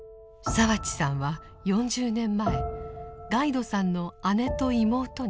澤地さんは４０年前ガイドさんの姉と妹に会っています。